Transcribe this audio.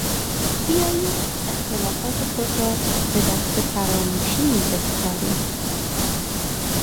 بیایید اختلافات خود را به دست فراموشی بسپاریم.